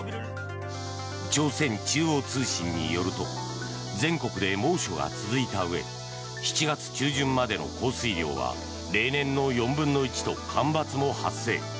朝鮮中央通信によると全国で猛暑が続いたうえ７月中旬までの降水量は例年の４分の１と干ばつも発生。